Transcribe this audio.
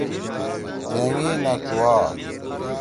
تینگی نہ کوا۔